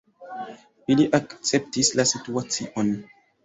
Ili akceptis la situacion.